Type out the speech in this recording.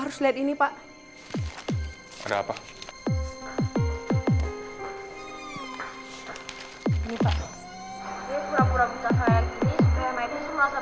kok sekurang kurangnya kali ini main main di kpud kan